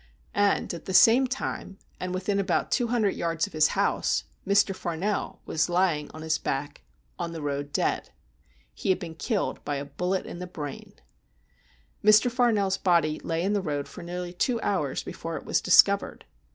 And at the same time, and within about two hundred yards of his house, Mr. Farnell was lying on his back on the road dead. He had been killed by a bullet in the brain. Mr. Farnell's body lay in the road for nearly two hours before it was discovered.